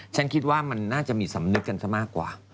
ฉันคิดว่ามันน่าจะมีสำนึกกันซะมากกว่า